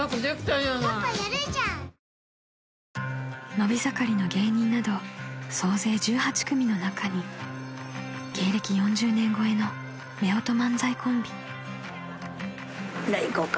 ［伸び盛りの芸人など総勢１８組の中に芸歴４０年超えのめおと漫才コンビ］